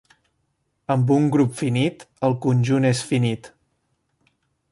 Amb un grup finit, el conjunt és finit.